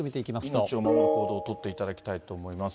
命を守る行動を取っていただきたいと思います。